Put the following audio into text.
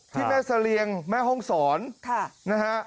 ที่แม่เสรียงแม่ห้องสอน